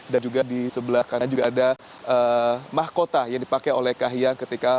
dan juga di sebelah kanan juga ada mahkota yang dipakai oleh kahyang ketika